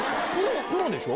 プロでしょ？